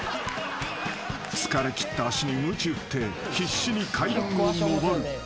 ［疲れきった足にむち打って必死に階段を上る］